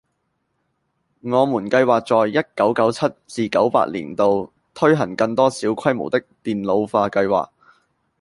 我們計劃在一九九七至九八年度推行更多小規模的電腦化計劃